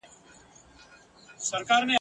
او له پاسه د ګیدړ په تماشې سو !.